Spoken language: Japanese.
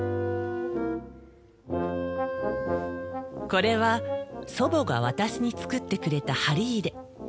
これは祖母が私に作ってくれた針入れ。